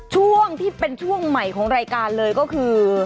ช่วงที่เป็นช่วงใหม่ของรายการเลยก็คือ